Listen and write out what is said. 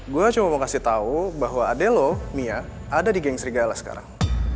gue cuma mau kasih tau bahwa ade lo mia ada di geng serigala sekarang